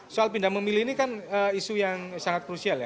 soal pindah memilih ini kan isu yang sangat krusial ya